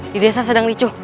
di desa sedang ricu